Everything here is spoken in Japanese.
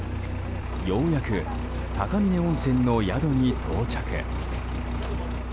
ようやく高峰温泉の宿に到着。